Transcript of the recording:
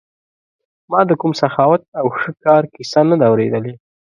ما د کوم سخاوت او ښه کار کیسه نه ده اورېدلې.